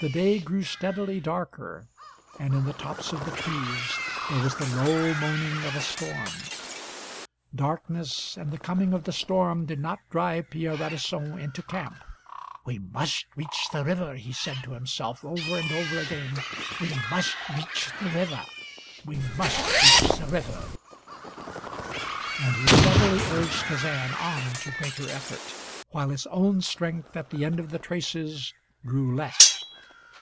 The day grew steadily darker and in the tops of the trees there was the low moaning of a storm. Darkness and the coming of the storm did not drive Pierre Radisson into camp. "We must reach the river," he said to himself over and over again. "We must reach the river we must reach the river " And he steadily urged Kazan on to greater effort, while his own strength at the end of the traces grew less.